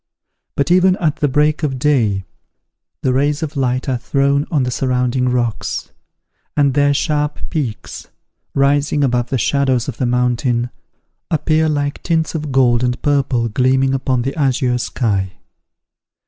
But, even at the break of day, the rays of light are thrown on the surrounding rocks; and their sharp peaks, rising above the shadows of the mountain, appear like tints of gold and purple gleaming upon the azure sky.